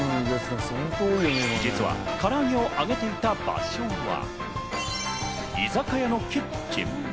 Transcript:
実はからあげをあげていた場所は居酒屋のキッチン。